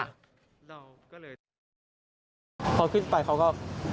พอขึ้นไปเขาก็